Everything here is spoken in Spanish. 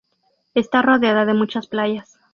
Está rodeada de muchas playas.